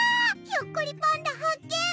ひょっこりパンダ発見！